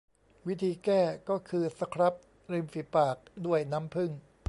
วิธีแก้ก็คือสครับริมฝีปากด้วยน้ำผึ้ง